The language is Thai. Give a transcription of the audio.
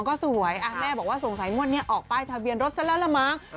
๒๒ก็สวยอ่ะแม่บอกว่าสงสัยมวลเนี่ยออกป้ายทะเบียนรสละละมั้ง